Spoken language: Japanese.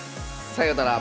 さようなら。